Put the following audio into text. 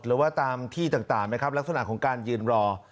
หรือว่าตามที่ต่างไหมครับลักษณะของการยืนรอ